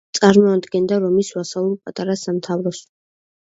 წარმოადგენდა რომის ვასალურ პატარა სამთავროს.